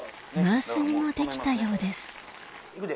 マース煮もできたようです行くで。